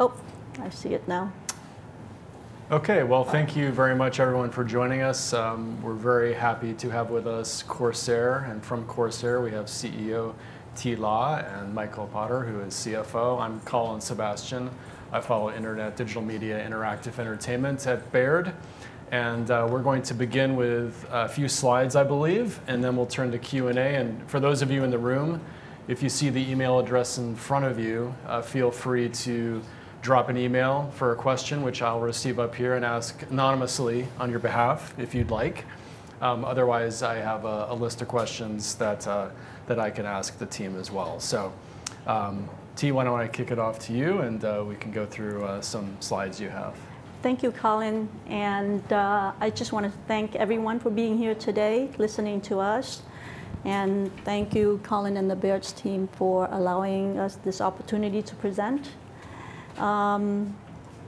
Oh, I see it now. Okay, thank you very much, everyone, for joining us. We're very happy to have with us Corsair, and from Corsair, we have CEO Thi La and Michael Potter, who is CFO. I'm Colin Sebastian. I follow Internet, digital media, interactive entertainment at Baird. We're going to begin with a few slides, I believe, and then we'll turn to Q&A. For those of you in the room, if you see the email address in front of you, feel free to drop an email for a question, which I'll receive up here and ask anonymously on your behalf, if you'd like. Otherwise, I have a list of questions that I can ask the team as well. T, why don't I kick it off to you, and we can go through some slides you have. Thank you, Colin. I just want to thank everyone for being here today, listening to us. Thank you, Colin and the Baird team, for allowing us this opportunity to present.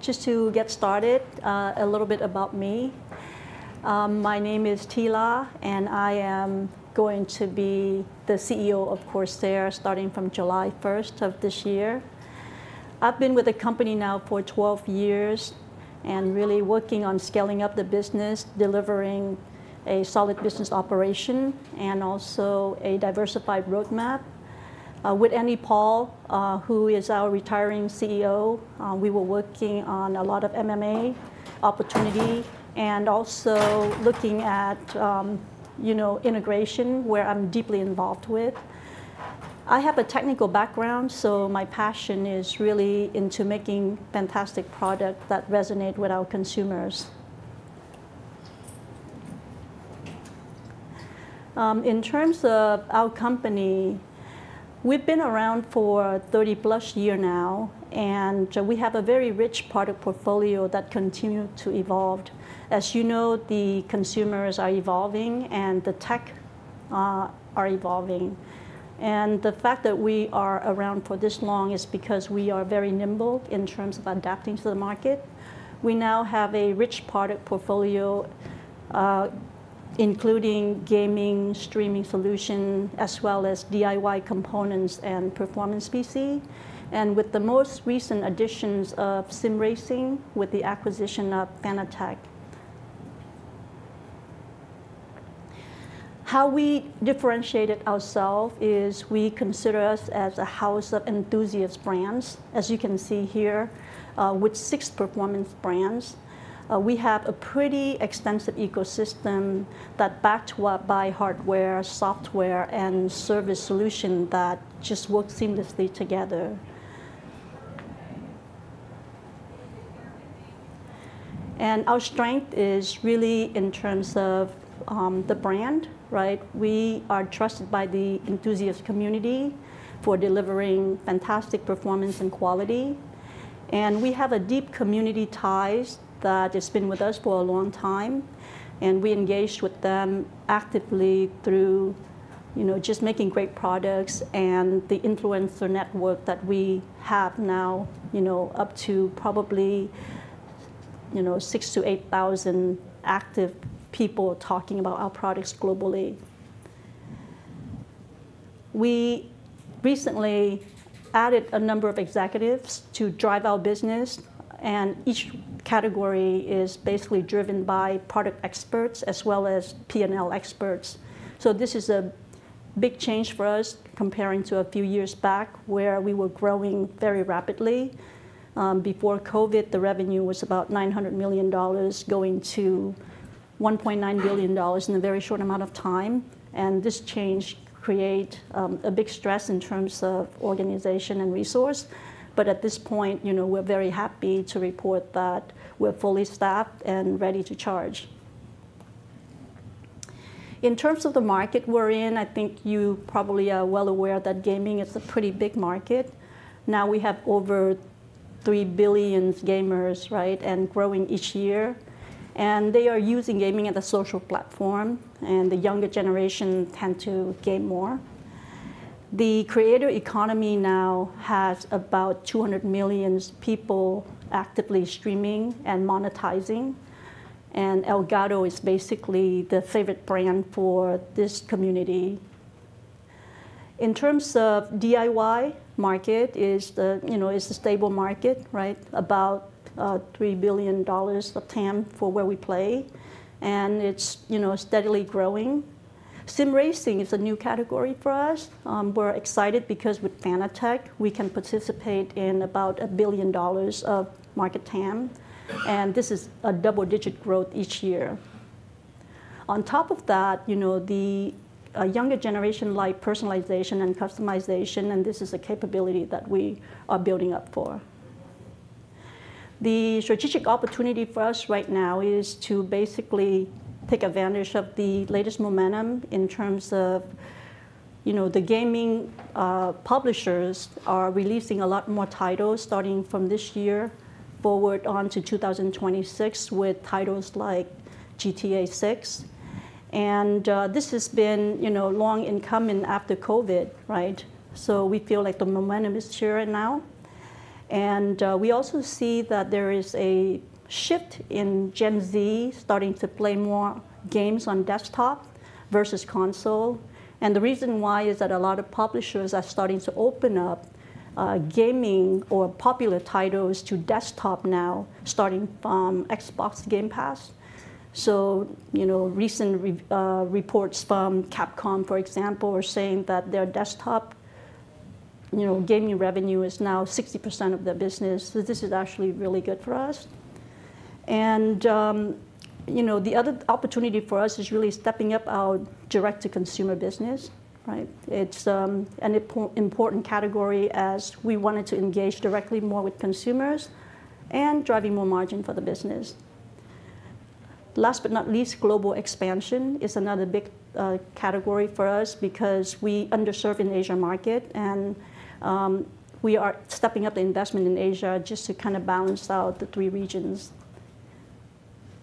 Just to get started, a little bit about me. My name is Thi La, and I am going to be the CEO of Corsair starting from July 1st of this year. I've been with the company now for 12 years and really working on scaling up the business, delivering a solid business operation, and also a diversified roadmap. With Andy Paul, who is our retiring CEO, we were working on a lot of M&A opportunity and also looking at integration, where I'm deeply involved with. I have a technical background, so my passion is really into making fantastic products that resonate with our consumers. In terms of our company, we've been around for 30-plus years now, and we have a very rich product portfolio that continues to evolve. As you know, the consumers are evolving, and the tech are evolving. The fact that we are around for this long is because we are very nimble in terms of adapting to the market. We now have a rich product portfolio, including gaming, streaming solutions, as well as DIY components and performance PC. With the most recent additions of sim racing with the acquisition of Fanatec. How we differentiated ourselves is we consider us as a house of enthusiast brands, as you can see here, with six performance brands. We have a pretty extensive ecosystem that's backed up by hardware, software, and service solutions that just work seamlessly together. Our strength is really in terms of the brand, right? We are trusted by the enthusiast community for delivering fantastic performance and quality. We have deep community ties that have been with us for a long time. We engage with them actively through just making great products and the influencer network that we have now, up to probably 6,000-8,000 active people talking about our products globally. We recently added a number of executives to drive our business. Each category is basically driven by product experts as well as P&L experts. This is a big change for us comparing to a few years back, where we were growing very rapidly. Before COVID, the revenue was about $900 million going to $1.9 billion in a very short amount of time. This change creates a big stress in terms of organization and resource. At this point, we're very happy to report that we're fully staffed and ready to charge. In terms of the market we're in, I think you probably are well aware that gaming is a pretty big market. Now we have over 3 billion gamers, right, and growing each year. They are using gaming as a social platform. The younger generation tends to game more. The creator economy now has about 200 million people actively streaming and monetizing. Elgato is basically the favorite brand for this community. In terms of DIY, the market is a stable market, right? About $3 billion of TAM for where we play. It's steadily growing. Sim racing is a new category for us. We're excited because with Fanatec, we can participate in about $1 billion of market TAM. This is a double-digit growth each year. On top of that, the younger generation likes personalization and customization. This is a capability that we are building up for. The strategic opportunity for us right now is to basically take advantage of the latest momentum in terms of the gaming publishers are releasing a lot more titles starting from this year forward on to 2026 with titles like GTA 6. This has been long in coming after COVID, right? We feel like the momentum is here now. We also see that there is a shift in Gen Z starting to play more games on desktop versus console. The reason why is that a lot of publishers are starting to open up gaming or popular titles to desktop now, starting from Xbox Game Pass. Recent reports from Capcom, for example, are saying that their desktop gaming revenue is now 60% of their business. This is actually really good for us. The other opportunity for us is really stepping up our direct-to-consumer business, right? It's an important category as we wanted to engage directly more with consumers and drive more margin for the business. Last but not least, global expansion is another big category for us because we underserved in the Asia market. We are stepping up the investment in Asia just to kind of balance out the three regions.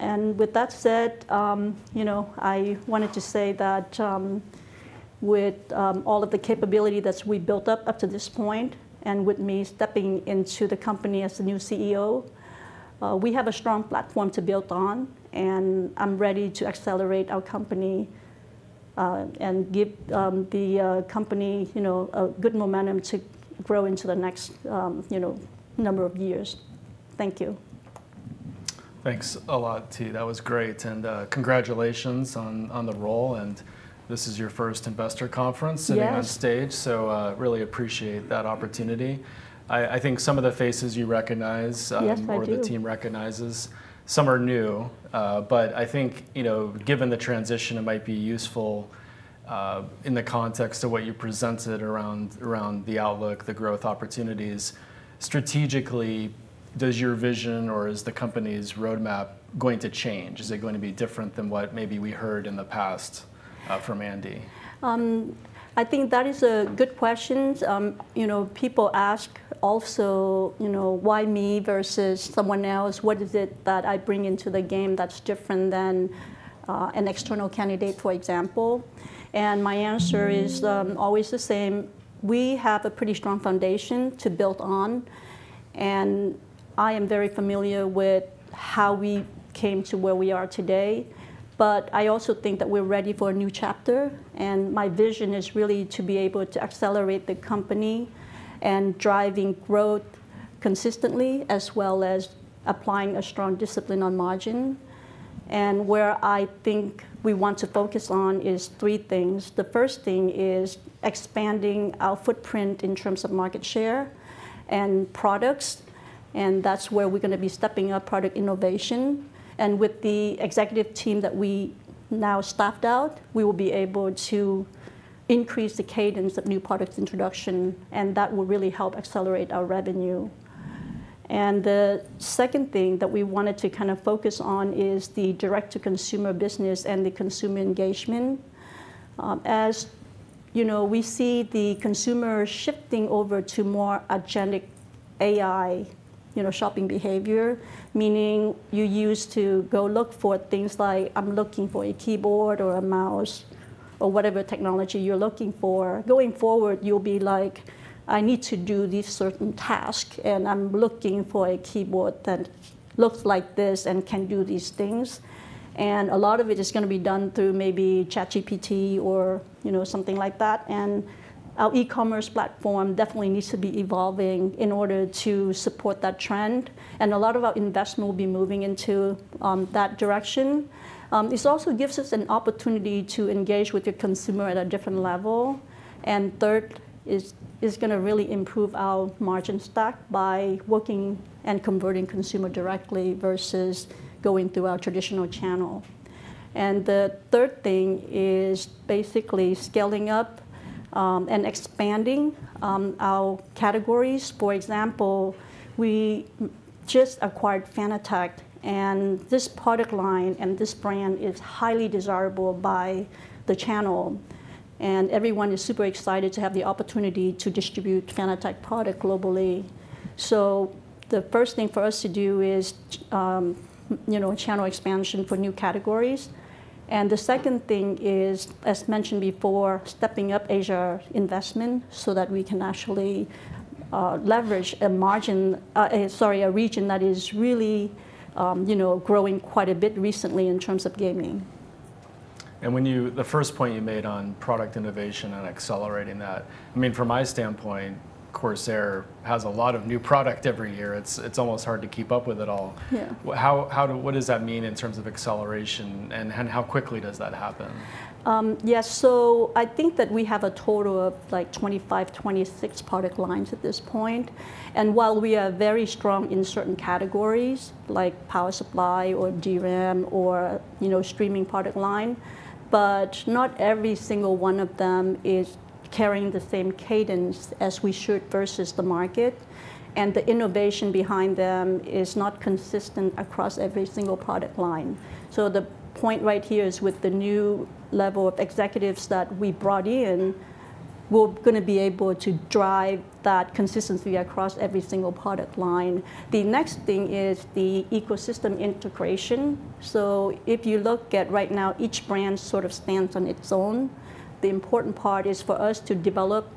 With that said, I wanted to say that with all of the capability that we built up to this point and with me stepping into the company as the new CEO, we have a strong platform to build on. I'm ready to accelerate our company and give the company a good momentum to grow into the next number of years. Thank you. Thanks a lot, Thi. That was great. Congratulations on the role. This is your first investor conference sitting on stage. I really appreciate that opportunity. I think some of the faces you recognize or the team recognizes, some are new. I think given the transition, it might be useful in the context of what you presented around the outlook, the growth opportunities. Strategically, does your vision or is the company's roadmap going to change? Is it going to be different than what maybe we heard in the past from Andy? I think that is a good question. People ask also, why me versus someone else? What is it that I bring into the game that's different than an external candidate, for example? My answer is always the same. We have a pretty strong foundation to build on. I am very familiar with how we came to where we are today. I also think that we're ready for a new chapter. My vision is really to be able to accelerate the company and drive growth consistently, as well as applying a strong discipline on margin. Where I think we want to focus on is three things. The first thing is expanding our footprint in terms of market share and products. That's where we're going to be stepping up product innovation. With the executive team that we now staffed out, we will be able to increase the cadence of new product introduction. That will really help accelerate our revenue. The second thing that we wanted to kind of focus on is the direct-to-consumer business and the consumer engagement. As we see the consumer shifting over to more agentic AI shopping behavior, meaning you used to go look for things like I'm looking for a keyboard or a mouse or whatever technology you're looking for. Going forward, you'll be like, I need to do these certain tasks. I'm looking for a keyboard that looks like this and can do these things. A lot of it is going to be done through maybe ChatGPT or something like that. Our e-commerce platform definitely needs to be evolving in order to support that trend. A lot of our investment will be moving into that direction. This also gives us an opportunity to engage with the consumer at a different level. Third, it's going to really improve our margin stack by working and converting consumer directly versus going through our traditional channel. The third thing is basically scaling up and expanding our categories. For example, we just acquired Fanatec. This product line and this brand is highly desirable by the channel. Everyone is super excited to have the opportunity to distribute Fanatec products globally. The first thing for us to do is channel expansion for new categories. The second thing is, as mentioned before, stepping up Asia investment so that we can actually leverage a margin, sorry, a region that is really growing quite a bit recently in terms of gaming. The first point you made on product innovation and accelerating that, I mean, from my standpoint, Corsair has a lot of new product every year. It's almost hard to keep up with it all. What does that mean in terms of acceleration? And how quickly does that happen? Yes. I think that we have a total of like 25, 26 product lines at this point. While we are very strong in certain categories like power supply or DRAM or streaming product line, not every single one of them is carrying the same cadence as we should versus the market. The innovation behind them is not consistent across every single product line. The point right here is with the new level of executives that we brought in, we're going to be able to drive that consistency across every single product line. The next thing is the ecosystem integration. If you look at right now, each brand sort of stands on its own. The important part is for us to develop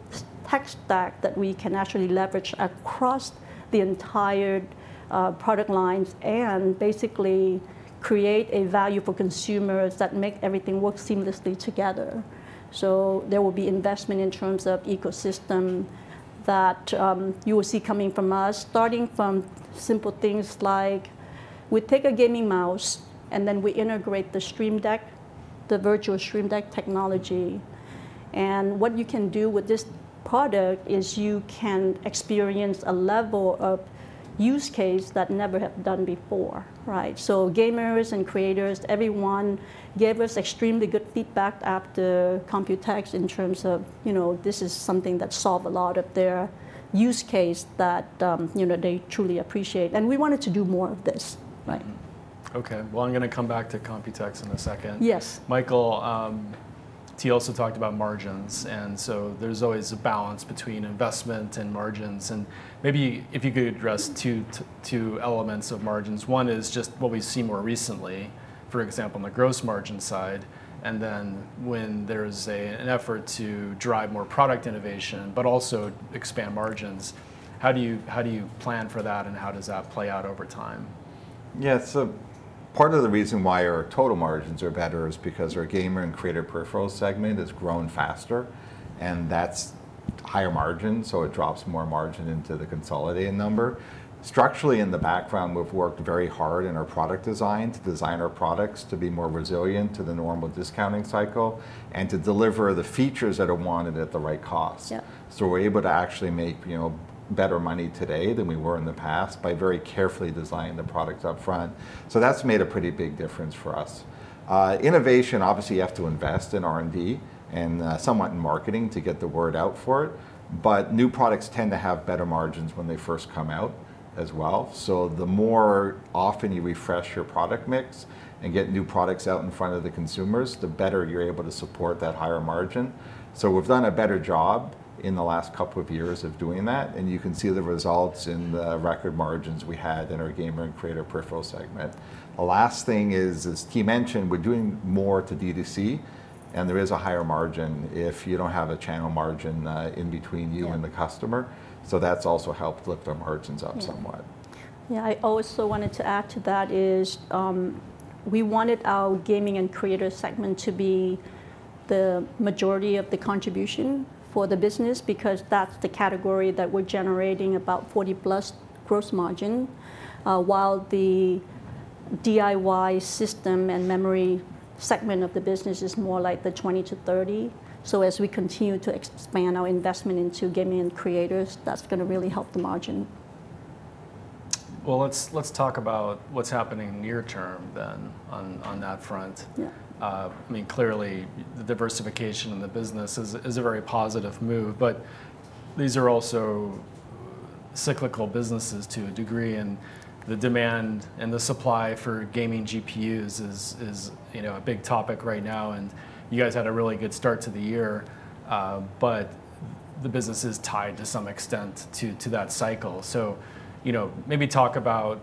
tech stack that we can actually leverage across the entire product lines and basically create a value for consumers that makes everything work seamlessly together. There will be investment in terms of ecosystem that you will see coming from us, starting from simple things like we take a gaming mouse and then we integrate the Stream Deck, the virtual Stream Deck technology. What you can do with this product is you can experience a level of use case that never have done before, right? Gamers and creators, everyone gave us extremely good feedback after Computex in terms of this is something that solved a lot of their use case that they truly appreciate. We wanted to do more of this, right? OK. I'm going to come back to Computex in a second. Yes. Michael, T. also talked about margins. There is always a balance between investment and margins. Maybe if you could address two elements of margins. One is just what we see more recently, for example, on the gross margin side. When there is an effort to drive more product innovation, but also expand margins, how do you plan for that? How does that play out over time? Yeah. Part of the reason why our total margins are better is because our gamer and creator peripheral segment has grown faster. That is higher margin, so it drops more margin into the consolidated number. Structurally, in the background, we've worked very hard in our product design to design our products to be more resilient to the normal discounting cycle and to deliver the features that are wanted at the right cost. We're able to actually make better money today than we were in the past by very carefully designing the product upfront. That has made a pretty big difference for us. Innovation, obviously, you have to invest in R&D and somewhat in marketing to get the word out for it. New products tend to have better margins when they first come out as well. The more often you refresh your product mix and get new products out in front of the consumers, the better you're able to support that higher margin. We've done a better job in the last couple of years of doing that. You can see the results in the record margins we had in our gamer and creator peripheral segment. The last thing is, as Thi. mentioned, we're doing more to D2C. There is a higher margin if you don't have a channel margin in between you and the customer. That's also helped lift our margins up somewhat. Yeah. I also wanted to add to that is we wanted our gaming and creator segment to be the majority of the contribution for the business because that's the category that we're generating about 40% plus gross margin. While the DIY system and memory segment of the business is more like the 20%-30%. As we continue to expand our investment into gaming and creators, that's going to really help the margin. Let's talk about what's happening near-term then on that front. I mean, clearly, the diversification in the business is a very positive move. These are also cyclical businesses to a degree. The demand and the supply for gaming GPUs is a big topic right now. You guys had a really good start to the year. The business is tied to some extent to that cycle. Maybe talk about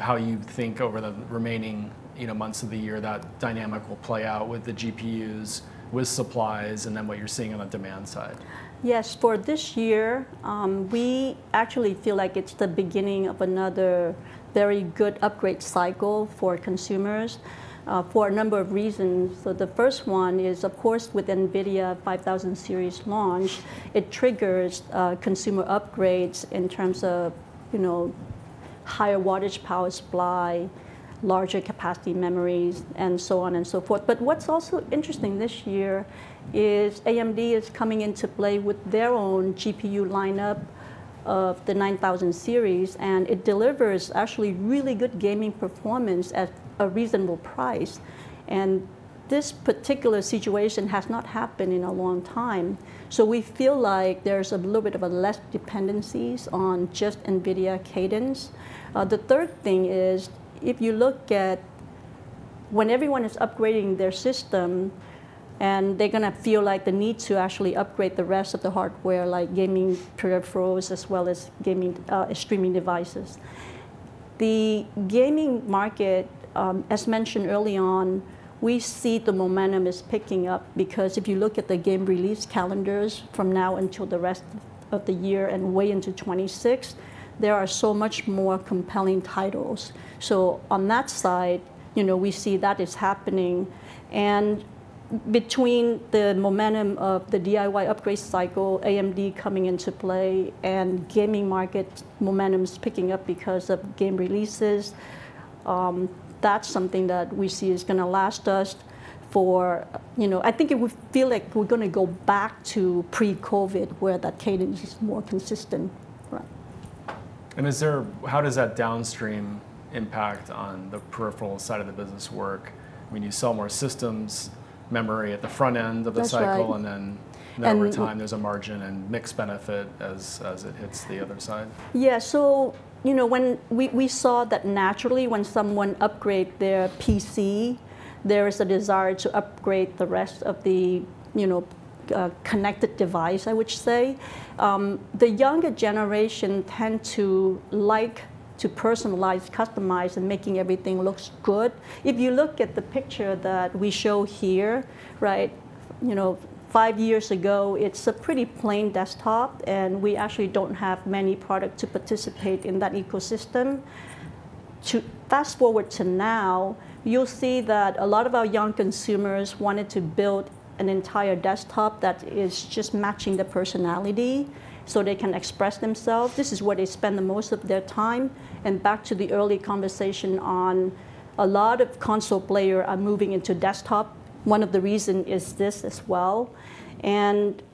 how you think over the remaining months of the year that dynamic will play out with the GPUs, with supplies, and then what you're seeing on the demand side. Yes. For this year, we actually feel like it's the beginning of another very good upgrade cycle for consumers for a number of reasons. The first one is, of course, with NVIDIA 5000 series launch, it triggers consumer upgrades in terms of higher wattage power supply, larger capacity memories, and so on and so forth. What's also interesting this year is AMD is coming into play with their own GPU lineup of the 9000 series. It delivers actually really good gaming performance at a reasonable price. This particular situation has not happened in a long time. We feel like there's a little bit of a less dependencies on just NVIDIA cadence. The third thing is if you look at when everyone is upgrading their system, and they're going to feel like the need to actually upgrade the rest of the hardware, like gaming peripherals as well as gaming streaming devices. The gaming market, as mentioned early on, we see the momentum is picking up because if you look at the game release calendars from now until the rest of the year and way into 2026, there are so much more compelling titles. On that side, we see that is happening. Between the momentum of the DIY upgrade cycle, AMD coming into play, and gaming market momentum is picking up because of game releases, that's something that we see is going to last us for I think it would feel like we're going to go back to pre-COVID where that cadence is more consistent. How does that downstream impact on the peripheral side of the business work? I mean, you sell more systems, memory at the front end of the cycle. And then over time, there's a margin and mix benefit as it hits the other side. Yeah. We saw that naturally when someone upgrades their PC, there is a desire to upgrade the rest of the connected device, I would say. The younger generation tend to like to personalize, customize, and make everything look good. If you look at the picture that we show here, right, five years ago, it is a pretty plain desktop. We actually do not have many products to participate in that ecosystem. Fast forward to now, you will see that a lot of our young consumers wanted to build an entire desktop that is just matching the personality so they can express themselves. This is where they spend most of their time. Back to the early conversation on a lot of console players are moving into desktop. One of the reasons is this as well.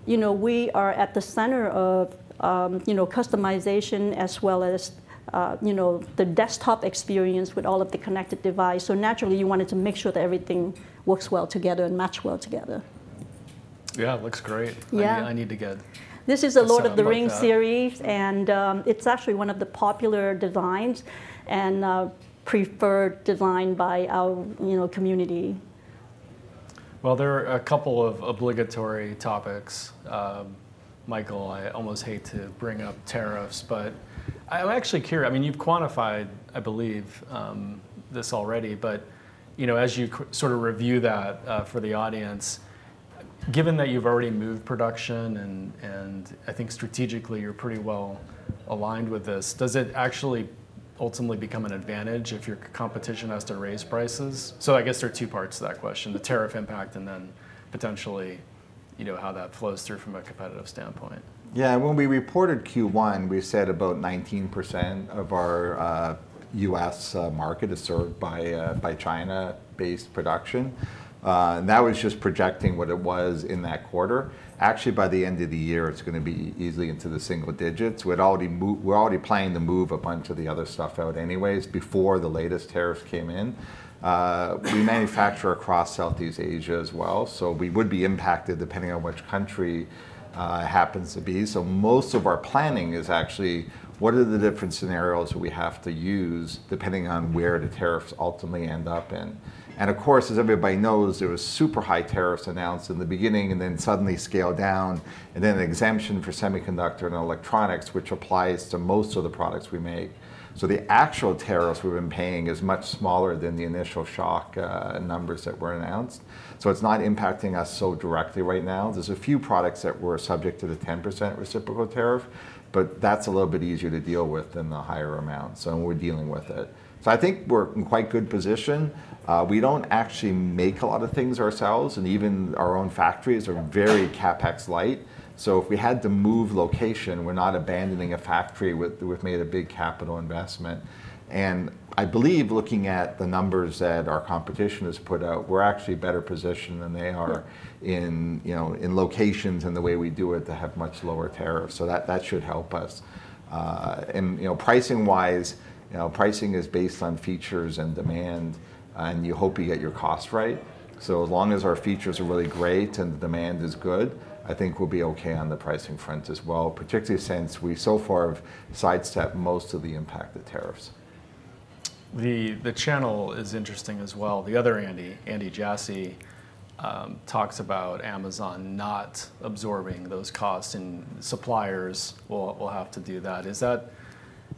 We are at the center of customization as well as the desktop experience with all of the connected devices. Naturally, you wanted to make sure that everything works well together and matches well together. Yeah. It looks great. I need to get. This is the Lord of the Rings series. It is actually one of the popular designs and preferred designs by our community. There are a couple of obligatory topics. Michael, I almost hate to bring up tariffs. I am actually curious. I mean, you have quantified, I believe, this already. As you sort of review that for the audience, given that you have already moved production, and I think strategically you are pretty well aligned with this, does it actually ultimately become an advantage if your competition has to raise prices? I guess there are two parts to that question, the tariff impact and then potentially how that flows through from a competitive standpoint. Yeah. When we reported Q1, we said about 19% of our US market is served by China-based production. And that was just projecting what it was in that quarter. Actually, by the end of the year, it's going to be easily into the single digits. We're already planning to move a bunch of the other stuff out anyways before the latest tariffs came in. We manufacture across Southeast Asia as well. We would be impacted depending on which country it happens to be. Most of our planning is actually, what are the different scenarios we have to use depending on where the tariffs ultimately end up in? Of course, as everybody knows, there were super high tariffs announced in the beginning and then suddenly scaled down and then an exemption for semiconductor and electronics, which applies to most of the products we make. The actual tariffs we've been paying are much smaller than the initial shock numbers that were announced. It is not impacting us so directly right now. There are a few products that were subject to the 10% reciprocal tariff, but that is a little bit easier to deal with than the higher amounts. We are dealing with it. I think we are in quite a good position. We do not actually make a lot of things ourselves, and even our own factories are very CapEx light. If we had to move location, we are not abandoning a factory we have made a big capital investment in. I believe looking at the numbers that our competition has put out, we are actually better positioned than they are in locations and the way we do it to have much lower tariffs. That should help us. Pricing-wise, pricing is based on features and demand. You hope you get your cost right. As long as our features are really great and the demand is good, I think we'll be OK on the pricing front as well, particularly since we so far have sidestepped most of the impact of tariffs. The channel is interesting as well. The other Andy, Andy Jassy, talks about Amazon not absorbing those costs. Suppliers will have to do that.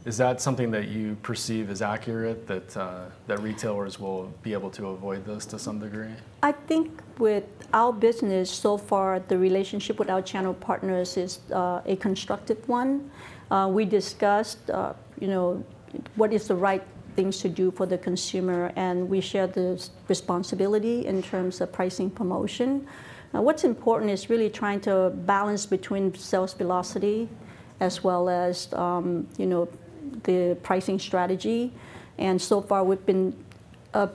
Is that something that you perceive is accurate, that retailers will be able to avoid this to some degree? I think with our business so far, the relationship with our channel partners is a constructive one. We discussed what is the right things to do for the consumer. We shared the responsibility in terms of pricing promotion. What's important is really trying to balance between sales velocity as well as the pricing strategy. We have been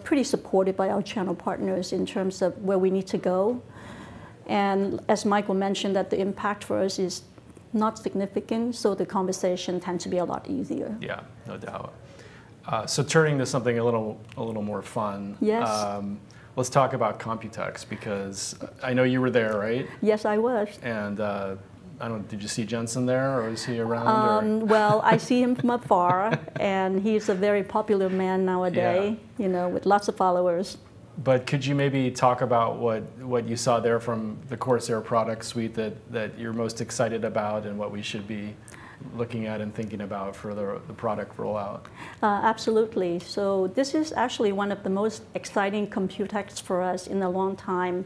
pretty supported by our channel partners in terms of where we need to go. As Michael mentioned, the impact for us is not significant. The conversation tends to be a lot easier. Yeah. No doubt. Turning to something a little more fun. Yes. Let's talk about Computex because I know you were there, right? Yes, I was. Did you see Jensen there? Or was he around? I see him from afar. And he's a very popular man nowadays with lots of followers. Could you maybe talk about what you saw there from the Corsair product suite that you're most excited about and what we should be looking at and thinking about for the product rollout? Absolutely. This is actually one of the most exciting Computex for us in a long time.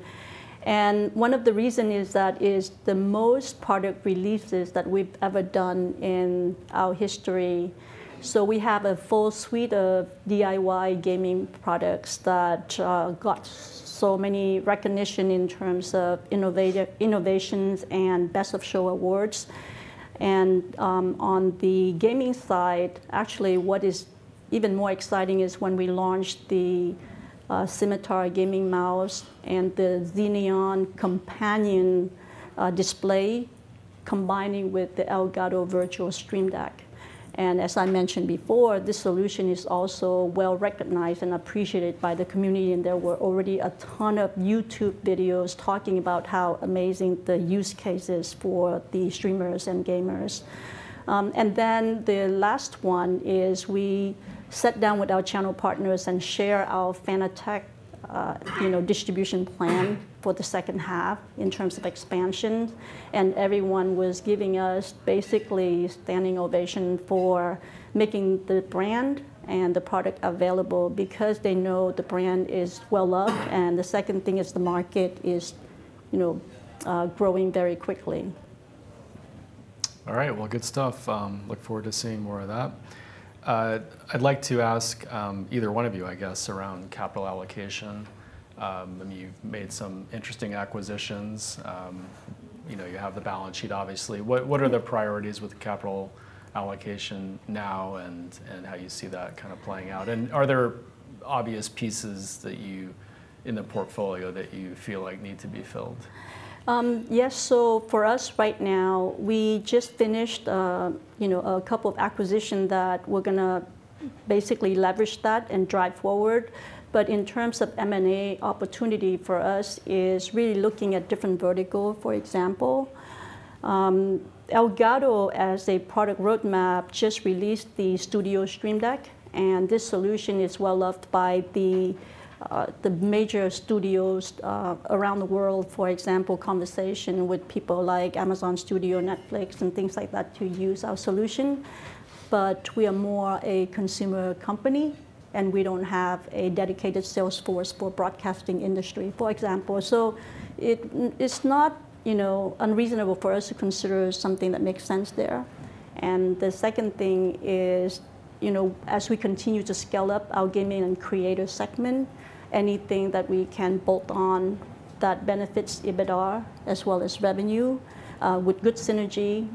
One of the reasons is that it is the most product releases that we've ever done in our history. We have a full suite of DIY gaming products that got so many recognition in terms of innovations and best of show awards. On the gaming side, actually, what is even more exciting is when we launched the Scimitar Gaming Mouse and the Xeneon Companion display combining with the Elgato Virtual Stream Deck. As I mentioned before, this solution is also well recognized and appreciated by the community. There were already a ton of YouTube videos talking about how amazing the use case is for the streamers and gamers. The last one is we sat down with our channel partners and shared our Fanatec distribution plan for the second half in terms of expansion. Everyone was giving us basically a standing ovation for making the brand and the product available because they know the brand is well up. The second thing is the market is growing very quickly. All right. Good stuff. Look forward to seeing more of that. I'd like to ask either one of you, I guess, around capital allocation. I mean, you've made some interesting acquisitions. You have the balance sheet, obviously. What are the priorities with capital allocation now and how you see that kind of playing out? Are there obvious pieces in the portfolio that you feel like need to be filled? Yes. For us right now, we just finished a couple of acquisitions that we're going to basically leverage that and drive forward. In terms of M&A opportunity for us, it's really looking at different verticals, for example. Elgato, as a product roadmap, just released the Studio Stream Deck. This solution is well loved by the major studios around the world, for example, conversation with people like Amazon Studios, Netflix, and things like that to use our solution. We are more a consumer company. We do not have a dedicated sales force for broadcasting industry, for example. It is not unreasonable for us to consider something that makes sense there. The second thing is, as we continue to scale up our gaming and creative segment, anything that we can bolt on that benefits EBITDA as well as revenue with good synergy,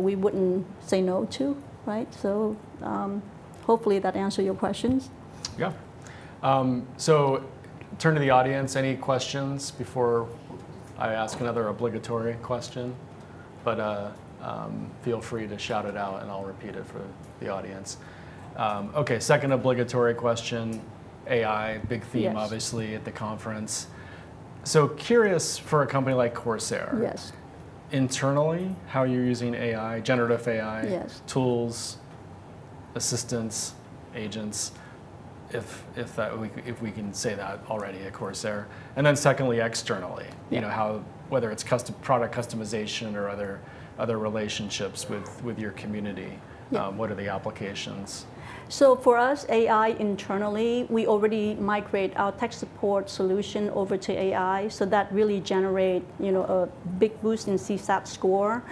we would not say no to. Hopefully that answered your questions. Yeah. So turn to the audience. Any questions before I ask another obligatory question? Feel free to shout it out. I'll repeat it for the audience. OK. Second obligatory question, AI, big theme, obviously, at the conference. Curious for a company like Corsair. Yes. Internally, how you're using AI, generative AI, tools, assistance, agents, if we can say that already at Corsair. Secondly, externally, whether it's product customization or other relationships with your community, what are the applications? For us, AI internally, we already migrate our tech support solution over to AI. That really generates a big boost in CSAT score.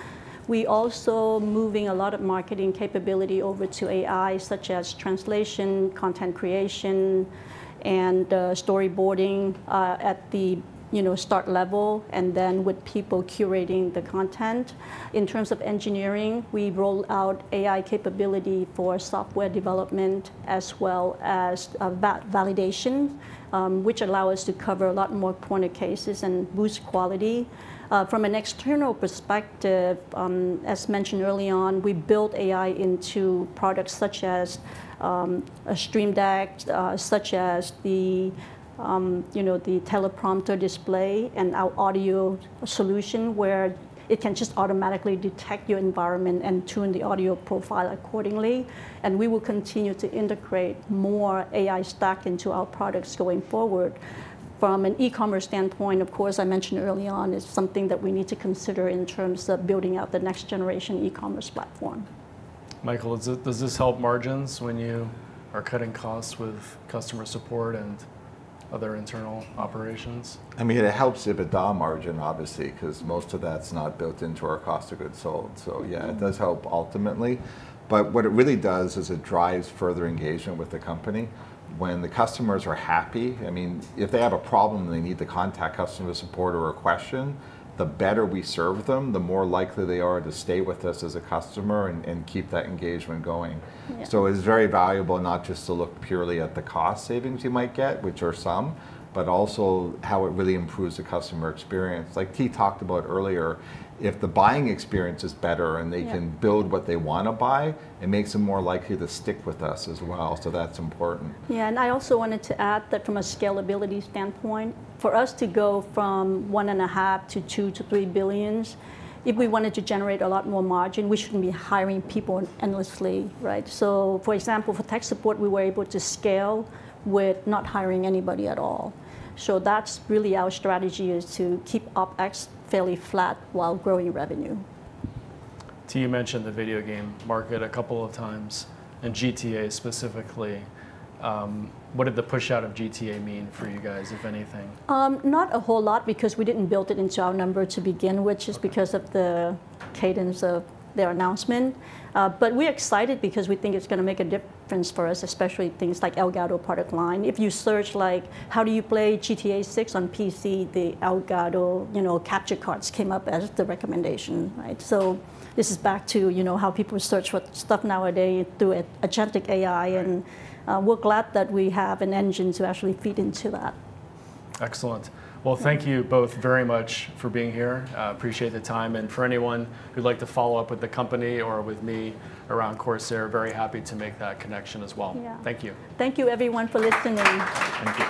We're also moving a lot of marketing capability over to AI, such as translation, content creation, and storyboarding at the start level, and then with people curating the content. In terms of engineering, we've rolled out AI capability for software development as well as validation, which allows us to cover a lot more point of cases and boost quality. From an external perspective, as mentioned early on, we built AI into products such as Stream Deck, such as the teleprompter display and our audio solution where it can just automatically detect your environment and tune the audio profile accordingly. We will continue to integrate more AI stack into our products going forward. From an e-commerce standpoint, of course, I mentioned early on, it's something that we need to consider in terms of building out the next generation e-commerce platform. Michael, does this help margins when you are cutting costs with customer support and other internal operations? I mean, it helps EBITDA margin, obviously, because most of that's not built into our cost of goods sold. Yeah, it does help ultimately. What it really does is it drives further engagement with the company. When the customers are happy, I mean, if they have a problem and they need to contact customer support or a question, the better we serve them, the more likely they are to stay with us as a customer and keep that engagement going. It is very valuable not just to look purely at the cost savings you might get, which are some, but also how it really improves the customer experience. Like Thi La talked about earlier, if the buying experience is better and they can build what they want to buy, it makes them more likely to stick with us as well. That is important. Yeah. I also wanted to add that from a scalability standpoint, for us to go from $1.5 billion to $2 billion to $3 billion, if we wanted to generate a lot more margin, we should not be hiring people endlessly. For example, for tech support, we were able to scale with not hiring anybody at all. That is really our strategy, to keep OpEx fairly flat while growing revenue. Thi you mentioned the video game market a couple of times and GTA specifically. What did the push out of GTA mean for you guys, if anything? Not a whole lot because we did not build it into our number to begin with, just because of the cadence of their announcement. We are excited because we think it is going to make a difference for us, especially things like Elgato product line. If you search like, how do you play GTA 6 on PC, the Elgato capture cards came up as the recommendation. This is back to how people search for stuff nowadays through agentic AI. We are glad that we have an engine to actually feed into that. Excellent. Thank you both very much for being here. Appreciate the time. For anyone who'd like to follow up with the company or with me around Corsair, very happy to make that connection as well. Yeah. Thank you. Thank you, everyone, for listening. Thank you.